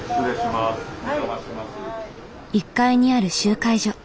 １階にある集会所。